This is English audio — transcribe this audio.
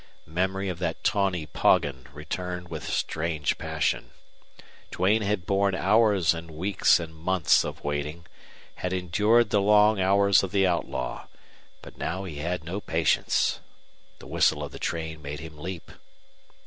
Memory of that tawny Poggin returned with strange passion. Duane had borne hours and weeks and months of waiting, had endured the long hours of the outlaw, but now he had no patience. The whistle of the train made him leap.